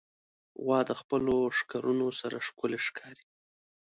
غوا د خپلو ښکرونو سره ښکلي ښکاري.